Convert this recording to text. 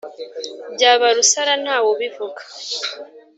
Byabara usara nta wu bivuga